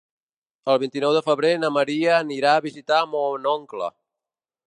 El vint-i-nou de febrer na Maria anirà a visitar mon oncle.